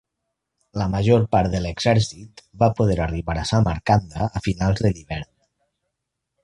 La major part de l'exèrcit va poder arribar a Samarcanda a finals de l'hivern.